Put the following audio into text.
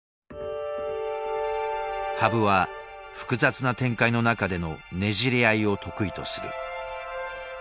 羽生は複雑な展開の中でのねじり合いを得意とする。